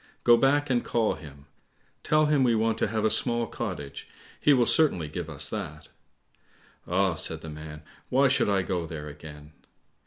Go back and call him. Tell him we want to have a small cottage, he will certainly give us that." "Ah," said the man, "why should I go there again?"